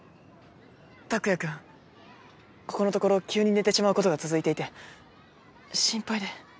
タクヤくんここのところ急に寝てしまう事が続いていて心配で。